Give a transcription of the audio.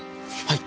はい。